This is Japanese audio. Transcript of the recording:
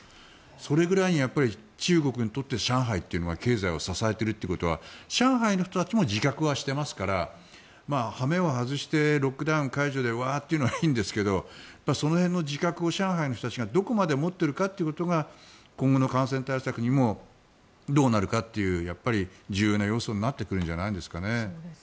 それぐらい中国にとって上海というのは経済を支えているということは上海の人たちも自覚はしていますから羽目を外してロックダウン解除でワーッというのはいいんですけどその辺の自覚を上海の人たちがどこまで持っているかということが今後の感染対策にもどうなるかという重要な要素になってくるんじゃないですかね。